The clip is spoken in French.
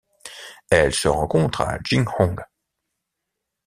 Elle se rencontre à Jinghong.